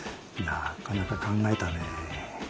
なかなか考えたね。